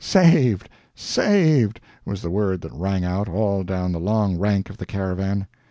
"Saved! saved!" was the word that rang out, all down the long rank of the caravan.